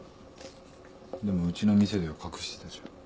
でもウチの店では隠してたじゃん。